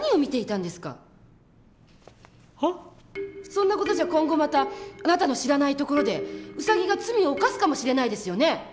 そんな事じゃ今後またあなたの知らないところでウサギが罪を犯すかもしれないですよね？